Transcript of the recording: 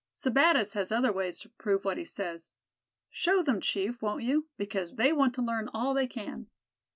Sebattis has other ways to prove what he says. Show them, chief, won't you; because they want to learn all they can."